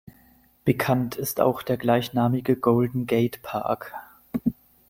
Bekannt ist auch der gleichnamige Golden Gate Park.